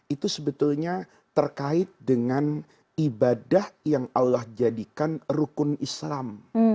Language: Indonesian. itu sebetulnya terkait dengan ibadah yang allah jadikan rukun islam